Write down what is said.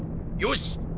よし！